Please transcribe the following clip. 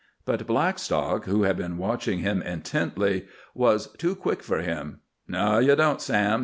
But Blackstock, who had been watching him intently, was too quick for him. "No, ye don't, Sam!"